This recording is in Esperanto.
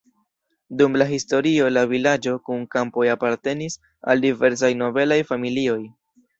Dum la historio la vilaĝo kun kampoj apartenis al diversaj nobelaj familioj.